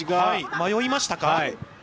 迷いましたか。